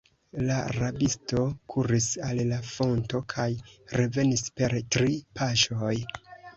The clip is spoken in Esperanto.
La rabisto kuris al la fonto kaj revenis per tri paŝoj.